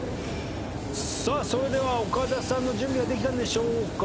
さあそれでは岡田さんの準備はできたんでしょうか？